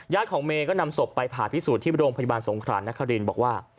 ของเมย์ก็นำศพไปผ่าพิสูจน์ที่โรงพยาบาลสงครานนครินบอกว่า